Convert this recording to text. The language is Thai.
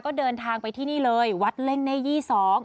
ก็เดินทางไปที่นี่เลยวัดเล่งเน่ยี่สอง